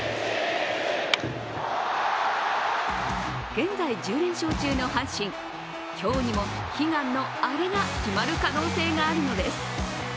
現在１０連勝中の阪神、今日にも悲願のアレが決まる可能性があるのです。